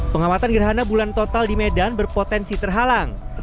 pengamatan gerhana bulan total di medan berpotensi terhalang